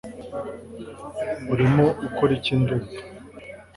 Urimo ukora iki Ndumva